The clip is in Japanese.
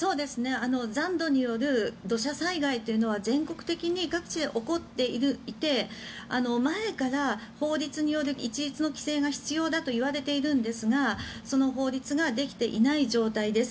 残土による土砂災害というのは全国的に各地で起こっていて前から法律による一律の規制が必要だといわれているんですがその法律ができていない状態です。